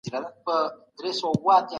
هغه د خپل ځان په مینځلو مصروفه دی.